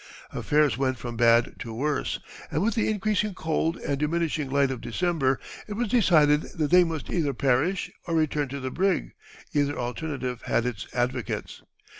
Affairs went from bad to worse, and with the increasing cold and diminishing light of December it was decided that they must either perish or return to the brig; either alternative had its advocates.